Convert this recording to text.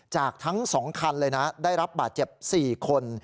จากทั้ง๒คันเลยนะได้รับบาดเจ็บ๔คน